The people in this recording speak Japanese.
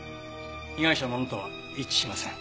被害者のものとは一致しません。